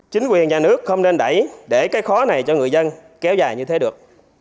chính quyền nhà nước không nên đẩy để cái khó này cho người dân kéo dài như thế được